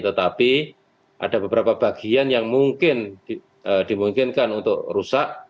tetapi ada beberapa bagian yang mungkin dimungkinkan untuk rusak